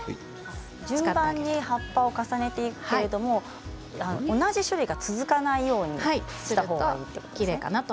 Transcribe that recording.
順番に葉っぱを重ねていくけれども同じ種類が続かないようにした方がいいと。